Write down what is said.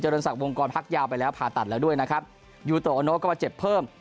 เรือนศักดิวงกรพักยาวไปแล้วผ่าตัดแล้วด้วยนะครับยูโตอโนก็มาเจ็บเพิ่ม